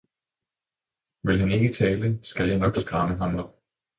Vil han ikke tale, skal jeg nok skræmme ham op!